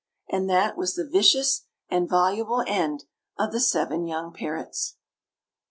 And that was the vicious and voluble end of the seven young parrots.